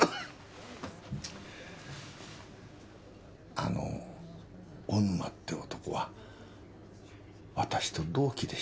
あの小沼って男はわたしと同期でして。